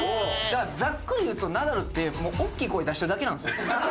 だからざっくり言うとナダルってもう大きい声出してるだけなんですよ。